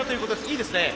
いいですね。